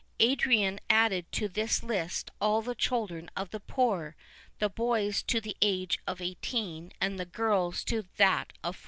[II 36] Adrian added to this list all the children of the poor: the boys to the age of 18, and the girls to that of 14.